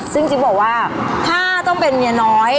ซึ่งจิ๊บบอกว่าถ้าต้องเป็นเมียน้อย